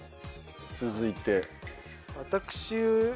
続いて。